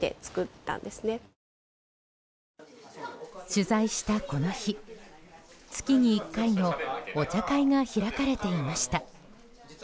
取材したこの日月に１回のお茶会が開かれていました。